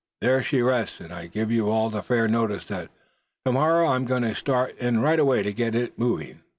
There she rests; and I give you all fair notice that to morrow I'm going to start in right away to get it moving."